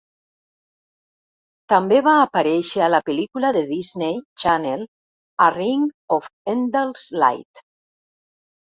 També va aparèixer a la pel·lícula de Disney Channel "A Ring of Endless Light".